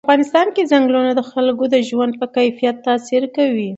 په افغانستان کې چنګلونه د خلکو د ژوند په کیفیت تاثیر کوي.